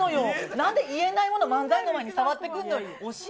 なんで言えないもの、漫才の前に触ってくるのよ。